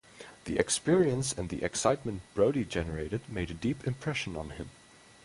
The experience, and the excitement Brody generated, made a deep impression on him.